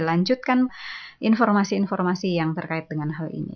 lanjutkan informasi informasi yang terkait dengan hal ini